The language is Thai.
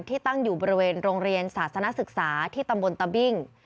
ตั้งอยู่บริเวณโรงเรียนศาสนศึกษาที่ตำบลตะบิ้ง